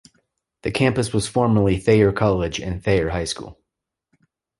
The campus was formerly Thayer College and Thayer High School.